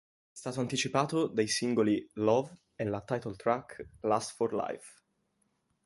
È stato anticipato dai singoli "Love" e la title-track "Lust for Life".